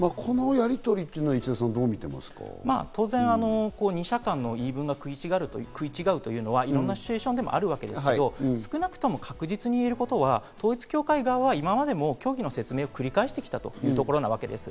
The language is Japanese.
このやりとりはどう見ていま二者間の言い分が食い違うというのは、いろんなシチュエーションでもあるわけですけど、少なくとも確実に言えることは統一教会側は今まででも虚偽の説明を繰り返していたということです。